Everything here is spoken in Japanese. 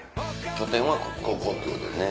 拠点はここっていうことでね。